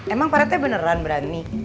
emang pak rete beneran berani